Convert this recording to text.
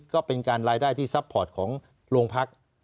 ก็เป็นการรายได้ที่ซัพพอร์ตของโรงพัก